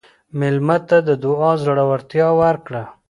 مېلمه ته د دعا زړورتیا ورکړه.